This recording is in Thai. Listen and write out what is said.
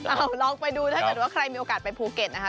เอาลองไปดูถ้าเกิดว่าใครมีโอกาสไปภูเก็ตนะคะ